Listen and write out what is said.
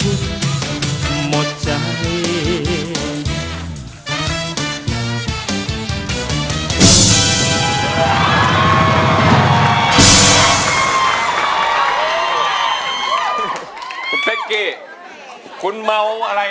คุยพี่ถอนเลย